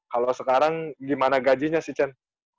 kalo sekarang gimana gajinya sih jen